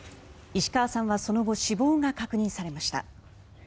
石川さんはその後、死亡が確認されました。